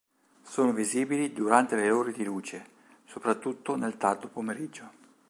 Sono visibili durante le ore di luce, soprattutto nel tardo pomeriggio.